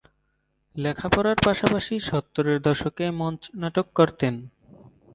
লেখাপড়ার পাশাপাশি সত্তরের দশকে মঞ্চ নাটক করতেন।